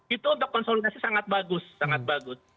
itu untuk konsolidasi sangat bagus sangat bagus